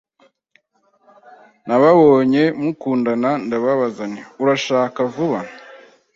Nababonye mukundana, ndababaza nti: "Urashaka vuba?"